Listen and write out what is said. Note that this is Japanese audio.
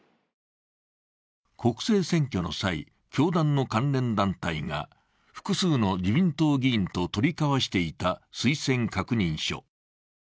国政選挙の際、教団の関連団体が複数の自民党議員と取り交わしていた推薦確認書。